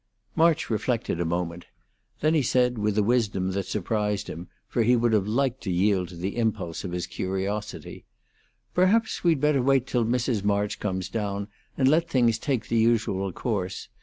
March reflected a moment. Then he said, with a wisdom that surprised him, for he would have liked to yield to the impulse of his curiosity: "Perhaps we'd better wait till Mrs. March comes down, and let things take the usual course.